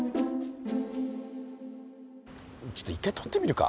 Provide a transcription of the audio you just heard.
ちょっと一回取ってみるか？